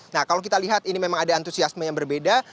nah kalau kita lihat ini memang ada antusiasme yang berbeda